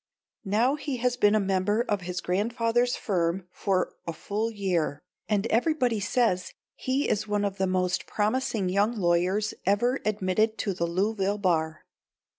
Now he has been a member of his grandfather's firm for a full year, and everybody says he is one of the most promising young lawyers ever admitted to the Louisville bar.